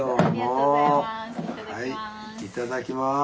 いただきます。